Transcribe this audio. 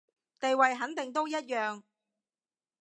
地位肯定都一樣